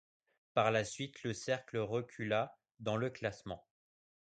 Par la suite, le cercle recula dans le classement.